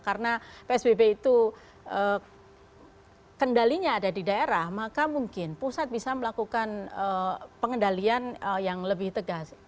karena psbb itu kendalinya ada di daerah maka mungkin pusat bisa melakukan pengendalian yang lebih tegas